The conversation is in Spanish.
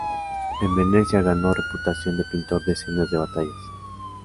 En Venecia, ganó reputación de pintor de escenas de batallas.